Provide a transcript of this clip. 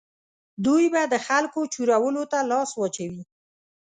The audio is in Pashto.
دوی به د خلکو چورولو ته لاس واچوي.